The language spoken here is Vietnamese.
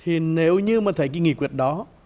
thì nếu như mà thấy cái nghị quyết đó